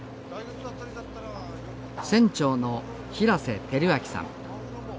船長の平瀬輝昭さん。